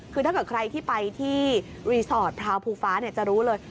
คือถ้าเกิดใครที่ไปที่รีสอร์ทราวภูฟ้าจะรู้เลย